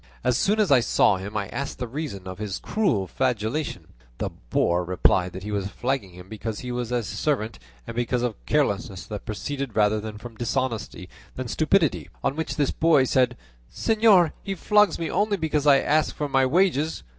As soon as I saw him I asked the reason of so cruel a flagellation. The boor replied that he was flogging him because he was his servant and because of carelessness that proceeded rather from dishonesty than stupidity; on which this boy said, 'Señor, he flogs me only because I ask for my wages.